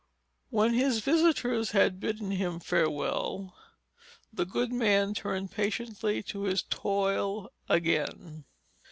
And when his visitors had bidden him farewell, the good man turned patiently to his toil again.